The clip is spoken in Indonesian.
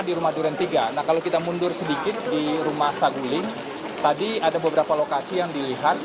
di rumah duren tiga nah kalau kita mundur sedikit di rumah saguling tadi ada beberapa lokasi yang dilihat